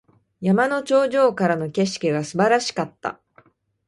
山の頂上からの景色が素晴らしかった。